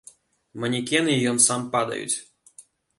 Манекены і ён сам падаюць.